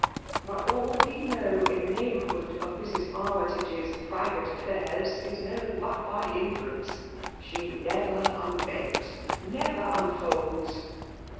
But all we know in the neighbourhood of Mrs. Army tage^s ]^vatc affiurs is known but by infer ence. She never unbends, never unfcdds